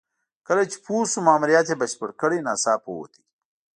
کله چې پوه شو ماموریت یې بشپړ کړی ناڅاپه ووت.